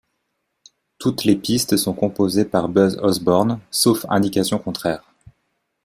Toutes les pistes sont composées par Buzz Osborne, sauf indications contraires.